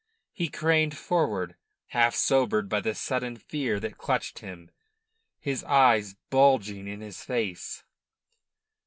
He craned forward, half sobered by the sudden fear that clutched him, his eyes bulging in his face.